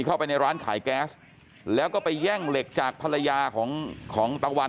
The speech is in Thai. เข้าไปในร้านขายแก๊สแล้วก็ไปแย่งเหล็กจากภรรยาของของตะวัน